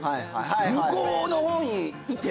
向こうの方にいて。